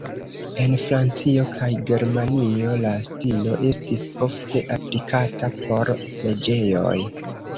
En Francio kaj Germanio la stilo estis ofte aplikata por preĝejoj.